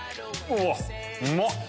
うまっ！